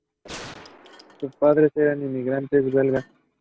Sus padres eran inmigrantes belgas.